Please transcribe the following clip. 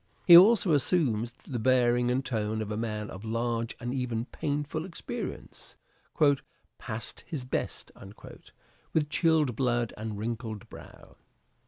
He also assumes the bearing and tone of a man of large and even painful experience, " past his best," with chilled blood and wrinkled brow.